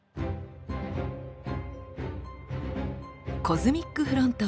「コズミックフロントΩ」。